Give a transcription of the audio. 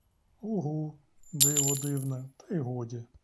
Угу, — диво дивне, та й годі.